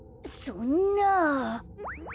そんな。